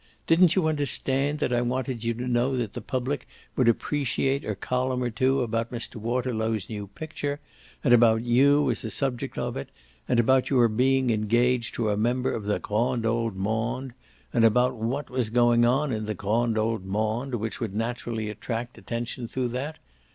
Didn't you understand that I wanted you to know that the public would appreciate a column or two about Mr. Waterlow's new picture, and about you as the subject of it, and about your being engaged to a member of the grand old monde, and about what was going on in the grand old monde, which would naturally attract attention through that?